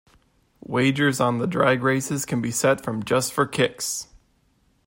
Wagers on the drag races can be set from Just for kicks!